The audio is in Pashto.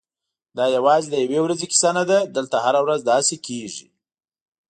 دا یوازې د یوې ورځې کیسه نه ده، دلته هره ورځ داسې کېږي.